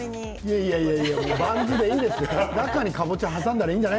いやいやいやバンズでいいじゃないですか。